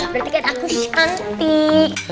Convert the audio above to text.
berarti kan aku cantik